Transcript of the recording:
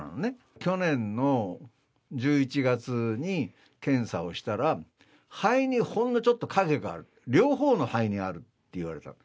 去年の１１月に検査をしたら、肺にほんのちょっと影がある、両方の肺にあるって言われたの。